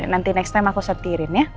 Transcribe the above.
nanti next time aku setirin ya